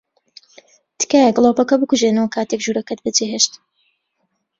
تکایە گڵۆپەکە بکوژێنەوە کاتێک ژوورەکەت بەجێھێشت.